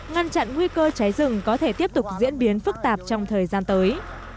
ngăn chặn nguy cơ cháy rừng có thể tiếp tục diễn biến phức tạp trong thời gian tới